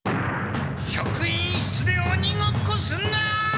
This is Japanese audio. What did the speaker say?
職員室でおにごっこするな！